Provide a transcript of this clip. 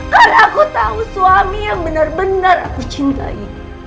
karena aku tahu suami yang benar benar aku cintai